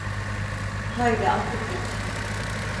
Haydi artık git…